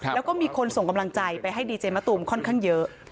แล้วก็มีคนส่งกำลังใจไปให้ดีเจมะตูมค่อนข้างเยอะ